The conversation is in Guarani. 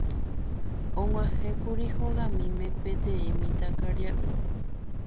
Og̃uahẽkuri hogamíme peteĩ mitãkaria'y.